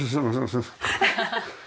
ハハハッ。